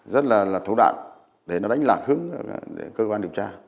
rất là thấu đạc để nó đánh lạc hướng cơ quan điều tra